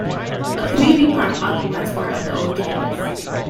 A community park occupies part of the old campus.